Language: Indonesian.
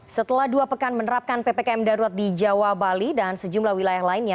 setelah dua pekan menerapkan ppkm darurat di jawa bali dan sejumlah wilayah lainnya